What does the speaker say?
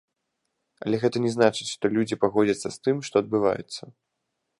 Але гэта не значыць, што людзі пагодзяцца з тым, што адбываецца.